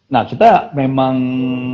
nah kita memang